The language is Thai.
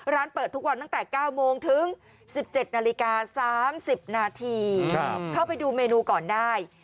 เปิดทุกวันตั้งแต่๙โมงถึง๑๗นาฬิกา๓๐นาทีเข้าไปดูเมนูก่อนได้